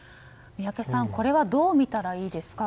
宮家さんこれはどうみたらいいですか。